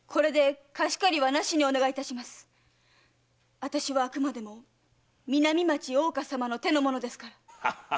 私はあくまでも南町の大岡様の手の者ですから。